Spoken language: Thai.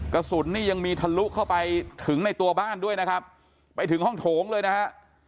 กระสุนนี่ยังมีทะลุเข้าไปถึงในตัวบ้านด้วยนะครับไปถึงห้องโถงเลยนะฮะ